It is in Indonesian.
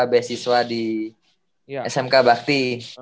beasiswa di smk bakti